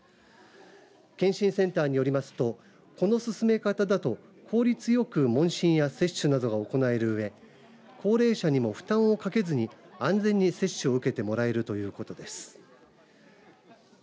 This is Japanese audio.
健診センターによりますとこの進め方だと効率よく問診や接種などが行えるうえ高齢者にも負担をかけずに安全に接種を受けてもらえるということです。